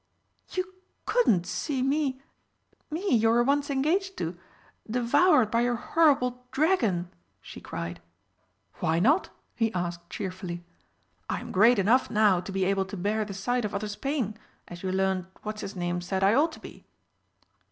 "You couldn't see me me you were once engaged to devoured by your horrible dragon!" she cried. "Why not?" he asked cheerfully. "I am great enough now to be able to bear the sight of others' pain, as your learned What's his name said I ought to be."